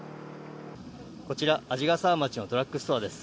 こちら鰺ヶ沢町のドラッグストアです。